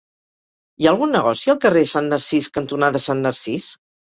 Hi ha algun negoci al carrer Sant Narcís cantonada Sant Narcís?